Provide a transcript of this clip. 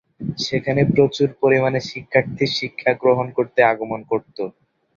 সেখানে প্রচুর পরিমানে শিক্ষার্থী শিক্ষাগ্রহণ করতে আগমণ করত।